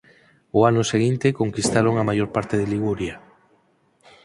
Ao ano seguinte conquistaron a maior parte de Liguria.